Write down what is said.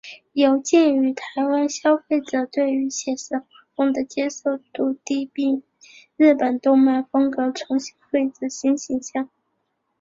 有鉴于台湾消费者对写实画风的接受度低并以日本动漫风格重新绘制新形象。